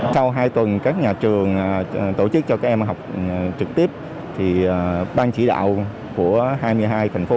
sau hai tuần các nhà trường tổ chức cho các em học trực tiếp thì ban chỉ đạo của hai mươi hai thành phố